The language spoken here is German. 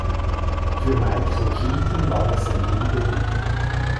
Für Michael Keaton war es sein Filmdebüt.